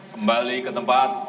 kembali ke tempat